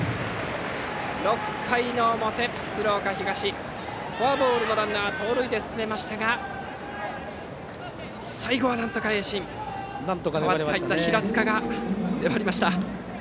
６回表、鶴岡東フォアボールのランナー盗塁で進めましたが最後はなんとか盈進、平塚が粘りました。